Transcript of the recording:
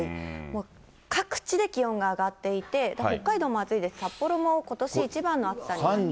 各地で気温が上がっていて、北海道も暑いです、札幌もことし一番の暑さになってますよね。